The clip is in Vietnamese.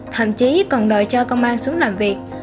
thậm chí còn nợ cho công an xuống làm việc